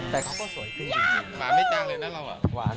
แต่เขาก็สวยขึ้นจริง